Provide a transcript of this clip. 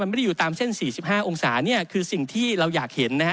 ไม่ได้อยู่ตามเส้น๔๕องศาเนี่ยคือสิ่งที่เราอยากเห็นนะฮะ